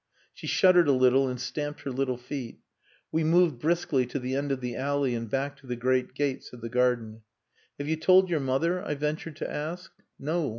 She shuddered a little and stamped her little feet. We moved briskly to the end of the alley and back to the great gates of the garden. "Have you told your mother?" I ventured to ask. "No.